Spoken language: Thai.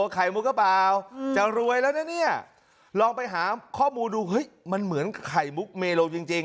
ไข่มุกหรือเปล่าจะรวยแล้วนะเนี่ยลองไปหาข้อมูลดูเฮ้ยมันเหมือนไข่มุกเมโลจริง